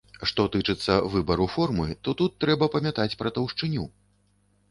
Што тычыцца выбару формы, то тут трэба памятаць пра таўшчыню.